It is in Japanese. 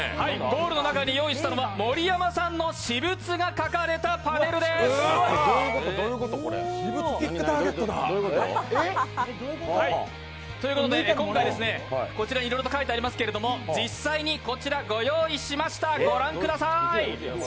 ゴールの中に書かれているのは盛山さんの私物ターゲットです。ということで、今回、こちらにいろいろと書いてありますけれども実際にこちらご用意しました御覧ください！